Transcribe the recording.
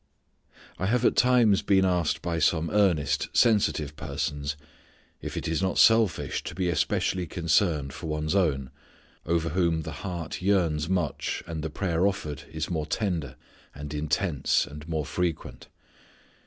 I have at times been asked by some earnest sensitive persons if it is not selfish to be especially concerned for one's own, over whom the heart yearns much, and the prayer offered is more tender and intense and more frequent.